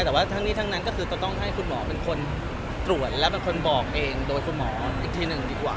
แต่ว่าทั้งนี้ทั้งนั้นก็คือจะต้องให้คุณหมอเป็นคนตรวจและเป็นคนบอกเองโดยคุณหมออีกทีหนึ่งดีกว่า